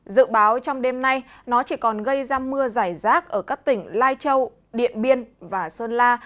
dự báo trong đêm nay nó chỉ còn gây ra mưa giải rác ở các tỉnh lai châu điện biên và sơn la